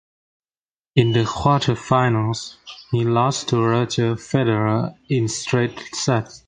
In the quarterfinals, he lost to Roger Federer in straight sets.